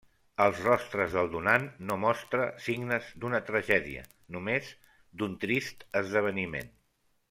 Els rostres del donant no mostra signes d'una tragèdia, només d'un trist esdeveniment.